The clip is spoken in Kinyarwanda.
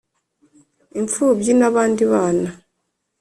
imfubyi n abandi bana